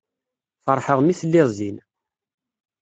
Feṛḥeɣ imi telliḍ din.